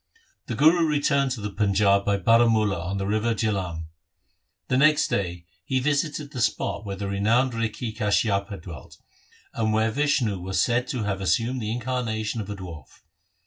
The Guru returned to the Panjab by Baramula on the river Jihlam. The next day he visited the spot where the renowned Rikhi Kashyap had dwelt, and where Vishnu was said to have assumed the incarnation of a dwarf.